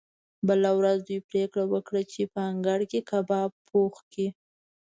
بله ورځ دوی پریکړه وکړه چې په انګړ کې کباب پخ کړي